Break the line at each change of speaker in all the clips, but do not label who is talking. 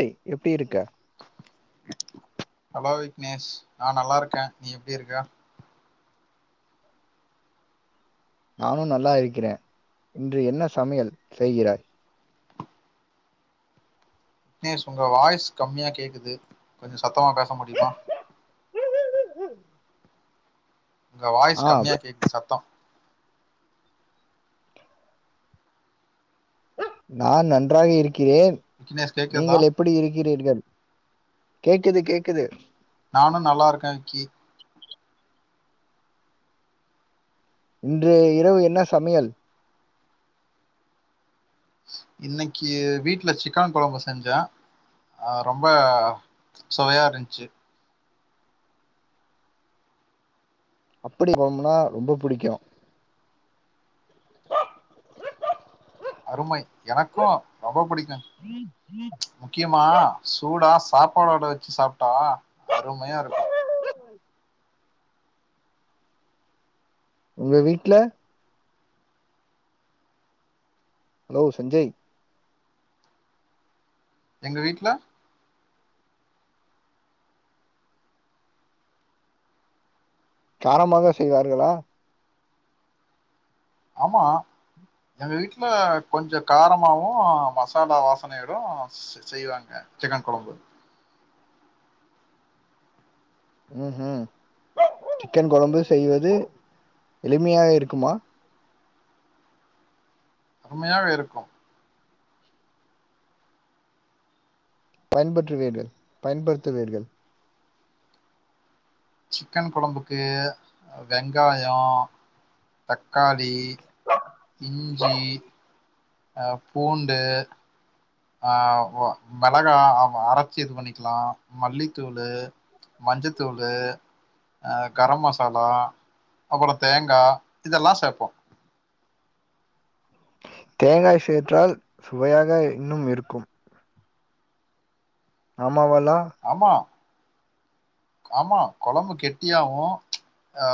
ஏய் எப்டி இருக்கா
ஹலோ விக்னேஷ் நா நல்லாருக்க நீ எப்டி இருக்க
நானு நல்லா இருக்கிறே இன்று என்ன சமையல் செய்கிறாய்
விக்னேஷ் உங்கள் வாய்ஸ் கம்மியா கேக்குது கொஞ்சோ சத்தமா பேச முடியுமா உங்க வாய்ஸ்
ஆ
கம்மியா கேக்கு சத்தோ
நா நன்றாக இருக்கிறேன்
விக்னேஷ் கேக்குதா
நீங்கள் எப் ப்டி இருக்கிறீர்கள் கேக்குது கேக்குது
நானு நல்லா இருக்க கி
இன்று இரவு என்ன சமையல்
இன்னக்கி வீட்ல சிக்கான் கொழம்பு செஞ்ச ஆ ரொம்ப சுவையாருந்ச்சு
அப்டி வோம்புனா ரொம்ப புடிக்கு
அருமை எனக்கு ரொம்ப புடிக்கு முக்கியமா சூடா சாப்பாடோட வச்சி சாப்ட்டா அருமையாருக்கு
உங்க வீட்ல ஹலோ சஞ்சய்
எங்க வீட்ல
காரமாக செய்வார்களா
ஆமா எங்க வீட்ல கொஞ்சோ காரமாவு மசாலா வாசனையிலு செய்வாங்க சிக்கன் கொழம்பு
ம் ம் சிக்கன் கொழம்பு செய்வது எளிமையா இருக்குமா
சம்மையாவே இருக்கு
பயன்பற்றுவீர்கள் பயன்படுத்துவீர்கள்
சிக்கன் கொழம்புக்கு வெங்காயோ தக்காளி இஞ்சி அ பூண்டு ஆ மெளகா அரைச்சு இது பண்ணிக்கலா மல்லிதூளு மஞ்சதூளு ஆ கரம் மசாலா அப்பறோ தேங்கா இதெல்லா சேப்போ
தேங்காய் சேற்றால் சுவையாக இன்னும் இருக்கும் ஆமாவாலா
ஆமா ஆமா கொழம்பு கெட்டியாவும்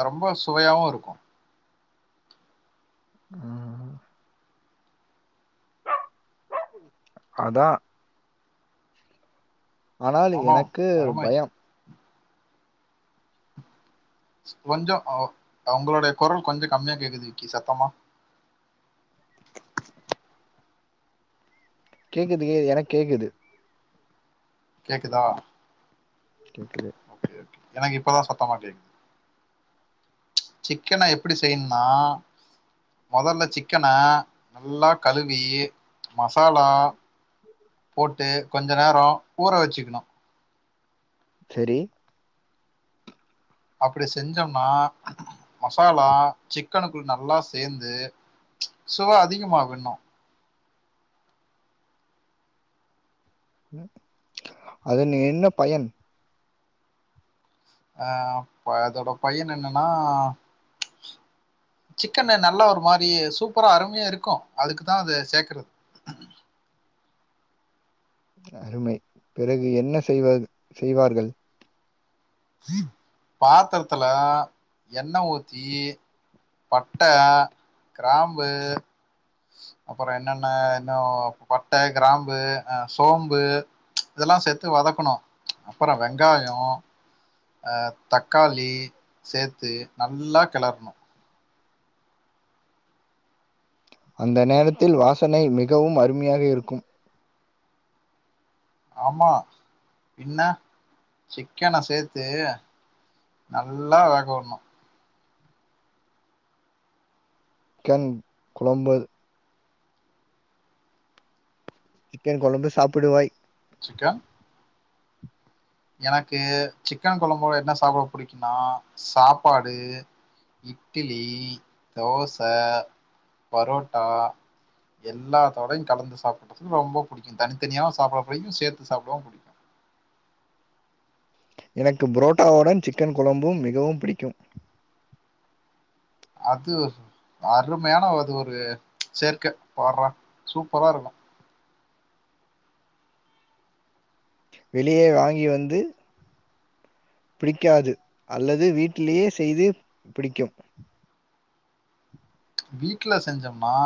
ரொம்ப சுவையாவு இருக்கு
ம் அதா ஆனால்
ஆமாம்
எனக்கு
அருமை
பயோ
கொஞ்சோ அவங் நம்மளுடைய கொரல் கொஞ்ச கம்மியா கேக்குது விக்கி சத்தமா
கேக்குதே எனக்கு கேக்குது
கேக்குதா
கேக்குது
ம் எனக்கு இப்பதான் சத்தமா கேக்குது சிக்கன எப்டி செய்யனுனா மொதல்ல சிக்கன நல்லா கழுவி மசாலா போட்டு கொஞ்ச நேரோ ஊற வச்சுகணு
செரி
அப்டி செஞ்சோம்னா மசாலா சிக்கனுக்குள்ள நல்லா சேந்து சுவ அதிகமாகு இன்னு
அதன் என்ன பயன்
ஆ அதோட ப பயன் என்னன்னா சிக்கன் நல்லா ஒரு மாரி சூப்பரா அருமையா இருக்கும் அதுக்கு தான் அது சேக்கறது
அருமை பிறகு என்ன செய்வது செய்வார்கள்
பாத்ரத்துல எண்ண ஊத்தி பட்ட கிராம்பு அப்பறோ என்னன்ன இன்னும் பட்ட கிராம்பு அ சோம்பு இதெல்லா சேத்து வதக்கணு அப்பறோ வெங்காயோ ஆ தக்காளி சேத்து நல்லா கெளற்ணு
அந்த நேரத்தில் வாசனை மிகவும் அருமையாக இருக்கும்
ஆமா பின்ன சிக்கன சேத்து நல்லா வேக வுட்ணு
சிக்கன் கொழம்பு சிக்கன் கொழம்பு சாப்பிடுவாய்
சிக்கன் எனக்கு சிக்கன் கொழம்போடு என்ன சாப்ட புடிக்குனா சாப்பாடு இட்டிலி தோச பரோட்டா எல்லாத்தோடயு கலந்து சாப்புறதுக்கு ரொம்ப புடிக்கு தனித்தனியாவு சாப்பிட பிடிக்கு சேத்து சாப்பிடவு புடிக்கு
எனக்கு புரோட்டாவுடன் சிக்கன் குழம்பும் மிகவும் பிடிக்கும்
அது அருமையான அது ஒரு சேர்க்க போடுறா சூப்பரா இருக்கு
வெளியே வாங்கி வந்து பிடிக்காது அல்லது வீட்டிலேயே செய்து பிடிக்கும்
வீட்ல செஞ்சம்னா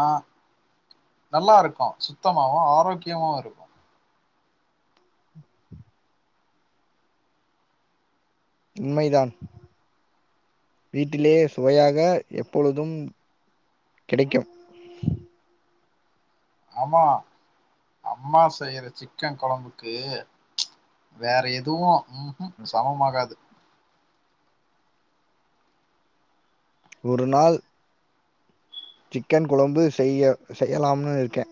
நல்லா இருக்கு சுத்தமாவு ஆரோக்கியமாவு இருக்கு
உண்மைதான் வீட்டிலே சுவையாக எப்பொழுதும் கிடைக்கும்
ஆம்மா அம்மா செய்ற சிக்கன் கொழம்புக்கு வேற எதுவு மம் சமமாகாது
ஒரு நாள் சிக்கன் கொழம்பு செய்ய செய்யலாம்னு இருக்கே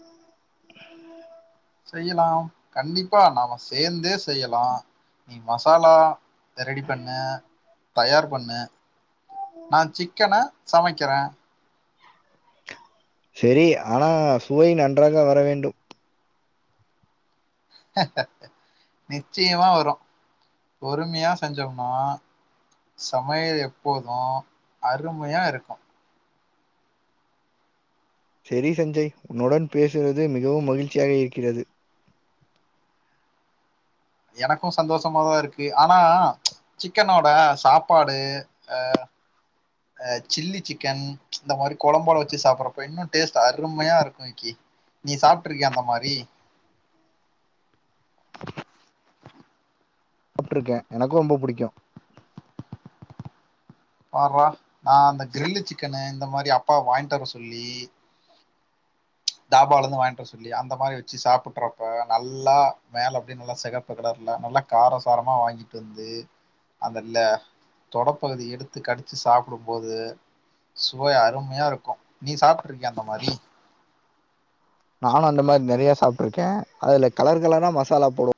செய்யலாம் கண்டிப்பா நாம சேர்ந்தே செய்யலா நீ மசாலா ரெடி பண்ணு தயார் பண்ணு நா சிக்கன சமைக்கறே
சரி ஆனா சுவை நன்றாக வர வேண்டும்
நிச்சயமா வரு பொறுமையா செஞ்சம்ன்னா சமையல் எப்போது அருமையா இருக்கு
செரி சஞ்சய் உன்னுடன் பேசியது மிகவும் மகிழ்ச்சியாக இருக்கிறது
எனக்கு சந்தோஷமாதா இருக்கு ஆனா சிக்கனோட சாப்பாடு அ அ சில்லி சிக்கன் இந்த மாரி கொழம்போட வெச்சு சாப்ட்றப்போ இன்னு டேஸ்ட் அருமையா இருக்கு நீ சாப்ட்டுருக்கியா அந்த மாரி
சாப்ட்டிருக்கே எனக்கு ரொம்ப புடிக்கு
பாறா நா அந்த கிரில்லு சிக்கனு இந்த மாரி அப்பா வாங்ட்டு வர சொல்லி தாபாவுலந்து வாங்ட்டு வரசொல்லி அந்த மாரி வெச்சு சாப்டுறப்ப நல்லா மேல அப்டினு நல்லா சிகப்பு கலர்ல நல்லா காரசாரமா வாங்கிட்டு வந்து வந்து அதுல்ல தொடப்பகுதி எடுத்து கடிச்சு சாப்பிடும்போது சுவை அருமையா இருக்கு நீ சாப்ட்டுருக்கியா அந்த மாரி
நானு அந்த மாரி நெறைய சாப்ட்டுருக்கே அதுல கலர் கலரா மசாலா போடுவோ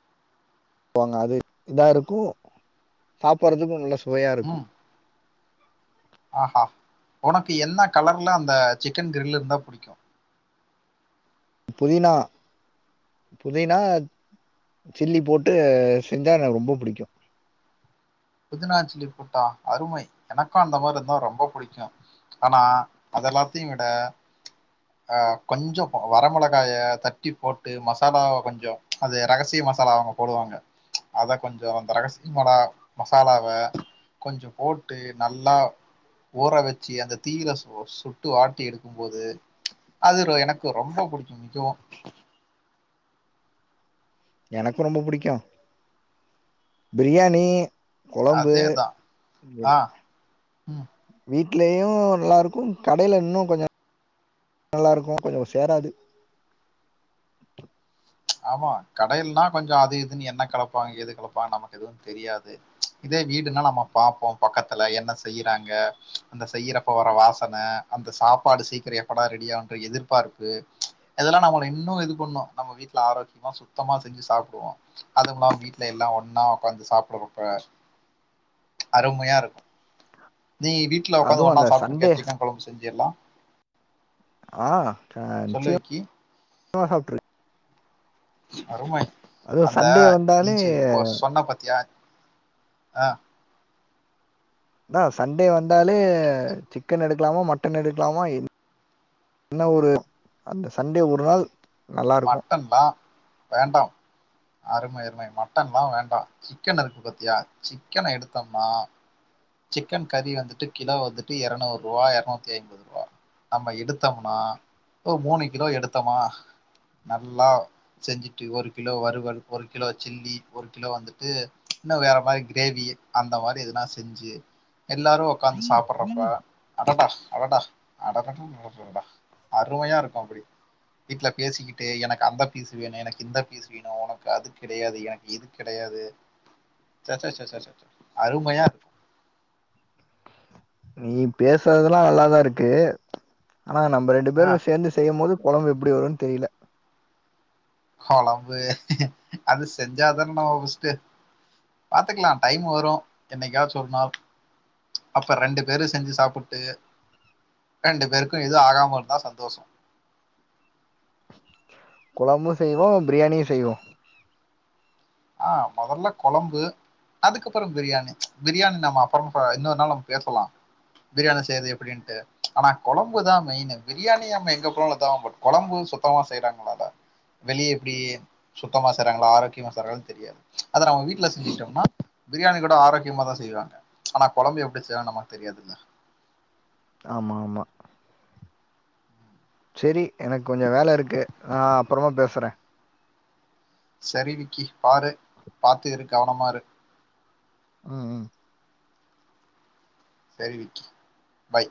ங்க அது இதா இருக்கு சாப்பறதுக்கு நல்லா
ம் ஆ உனக்கு என்ன கலர்ல அந்த சிக்கன் கிரில் இருந்தா புடிக்கு
புதினா புதினா சில்லி போட்டு செஞ்சா எனக்கு ரொம்ப புடிக்கு
புதினாஞ்சில்லி போட்டா அருமை எனக்கு அந்த மாரிருந்தா ரொம்ப புடிக்கு ஆனா அதெல்லாத்தையு விட அ கொஞ்சொ வர மொளகாய தட்டி போட்டு மசாலாவ கொஞ்சொ அது ரகசிய மசாலா அவ்ங்க போடுவாங்க அத கொஞ்சொ அந்த ரகசியமாடா மசாலாவ கொஞ்சொ போட்டு நல்லா ஊற வச்சு அந்த தீயில சுடனு சுட்டு வாட்டி எடுக்கும்போது அது எனக்கு ரொம்ப புடிக்கும் மிகவு
எனக்கும் ரொம்ப புடிக்கு பிரியாணி கொழம்பு
அதேதா ஆ ம்
வீட்லேயு நல்லாருக்கு கடையில இன்னு கொஞ்சோ [inaudible] நல்லாயிருக்கு கொஞ்சொ சேராது
ஆமா கடையிலனா கொஞ்ச அது இதுன்னு என்ன களப்பாங்க ஏது கலப்பாங்க நமக்கு எதுவு தெரியாது இதே வீடுனா நம்ம பாப்போ பக்கத்துல என்ன செய்யறாங்க அந்த செய்யறப்போ வர வாசன அந்த சாப்பாடு சீக்கிரொ எப்படா ரெடியாகுன்ற எதிர்பார்ப்பு அதெல்லா நம்ம இன்னு இது பண்ணு நம்ம வீட்ல ஆரோக்கியமா சுத்தமா செஞ்சு சாப்டுவோ அதும்ல்லாம வீட்ல எல்லா ஒன்னா ஒக்காந்து சாப்புட்றப்ப அருமையா இருக்கு நீ வீட்ல ஒக்காந்து
அதுவும்
ஒன்னா
அந்த
சாப்ட்டு
சண்டே
இருக்கயா சிக்கன் கொழம்பு செஞ்சு எல்லா
ச
சொல்லு
நிச்சய
விக்கி.
[inaudible] சாப்ட்டுரு [inaudible]
அருமை
அதுவு
அந்த
சண்டே வந்தாலே
நீச்ச இப்ப சொன்ன பாத்தியா ஆ
என்ன சண்டே வந்தாலே சிக்கன் எடுக்கலாமா மட்டன் எடுக்கலாமா என் என்ன ஒரு அந்த சண்டே ஒரு நாள் நல்லா இருக்கு
[unintelligible] வேண்டா அருமை அருமை மட்டன்லா வேண்டா சிக்கன் இருக்கு பாத்தியா சிக்கன எடுத்தோம்னா சிக்கன் கறி வந்துட்டு கிலோ வந்துட்டு எரநூரூவா எரநூத்தி ஐம்பது ரூபா நம்ம எடுத்தோம்னா ஒரு மூணு கிலோ எடுத்தோமா நல்லா செஞ்சுட்டு ஒரு கிலோ வறுவல் ஒரு கிலோ சில்லி ஒரு கிலோ வந்துட்டு இன்னு வேற மாரி கிரேவி அந்த மாரி எதுனா செஞ்சு எல்லாரு ஒக்காந்து சாப்ட்றப்ப அடடா அடடா அடட்டட்டாடா அருமையா இருக்கு அப்டி வீட்ல பேசிக்கிட்டு எனக்கு அந்த பீஸ் வேணு எனக்கு இந்த பீஸ் வீணு ஒனக்கு அது கிடையாது எனக்கு இது கிடையாது ச்ச ச்ச ச்ச ச அருமையா இருக்கு
நீ பேசுறதுல்லா நல்லாதா இருக்கு ஆனா நம்ம ரெண்டு
ஆ
பேரு சேந்து செய்யும் போது கொழம்பு எப்டி வருனு தெரில
கொழம்பு அது செஞ்சாதான நம்ம பஸ்ட் பாத்துக்கலா டைம் வரு என்னைக்காச்சு ஒரு நாள் அப்ப ரெண்டு பேரு செஞ்சு சாப்புட்டு ரெண்டு பேருக்கு எது ஆகாம இருந்தா சந்தோஷோ
கொழம்பு செய்வோ பிரியாணியும் செய்வோ
ஆ முதல்ல கொழம்பு அதுக்கப்புரோ பிரியாணி பிரியாணி நம்ம அப்புறமா இன்னொரு நாள் நம்ம பேசலா பிரியாணி செய்யறது எப்டின்னுட்டு ஆனா கொழம்பு தா மெயின்னு பிரியாணி நம்ம எங்க [unintelligible] கொழம்பு சுத்தமா செய்ய றாங்கள அத வெளிய எப்டி சுத்தமா செய்றாங்களா ஆரோக்கியமா செய்றாங் தெரியாது அத நம்ம வீட்ல செஞ்சுட்டோம்னா பிரியாணி கூட ஆரோக்கியமா தா செய்வாங்க ஆனா கொழம்பு எப்டி செய்வாங்கனு நமக்கு தெரியாதுல
ஆமா ஆமா செரி எனக்கு கொஞ்ச வேல இருக்கு நா அப்பறமா பேசறே
சரி விக்கி பாரு பாத்து இரு கவனமா இரு
ம் ம்
சரி விக்கி பை